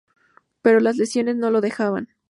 Pero las lesiones no lo dejaban.